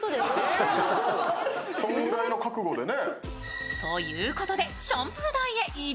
そのぐらいの覚悟でね。